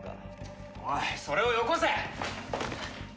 おいそれをよこせ！